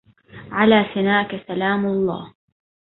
على سناك سلام الله